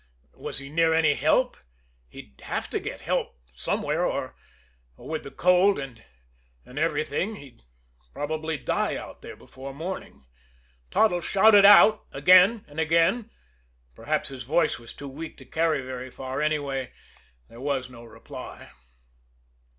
Was he near any help? He'd have to get help somewhere, or or with the cold and and everything he'd probably die out here before morning. Toddles shouted out again and again. Perhaps his voice was too weak to carry very far; anyway, there was no reply.